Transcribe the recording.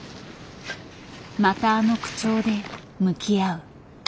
またあの口調で向き合う。